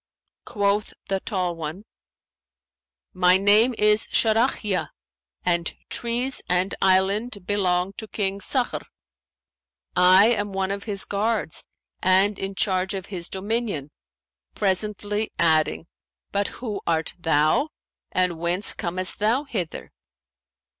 Quoth the tall one, 'My name is Sharαhiyα and trees and island belong to King Sakhr;[FN#524] I am one of his guards and in charge of his dominion,' presently adding, 'But who art thou and whence comest thou hither?'